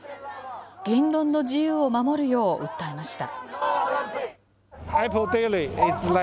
言論の自由を守るよう訴えました。